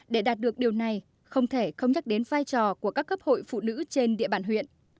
để đạt được điều này không thể không nhắc đến vai trò của các cấp hội phụ nữ trên địa bàn huyện